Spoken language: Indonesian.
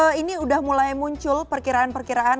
oke ini sudah mulai muncul perkiraan perkiraan